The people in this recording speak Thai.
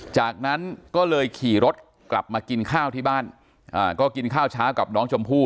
จากนั้นก็เลยขี่รถกลับมากินข้าวที่บ้านก็กินข้าวเช้ากับน้องชมพู่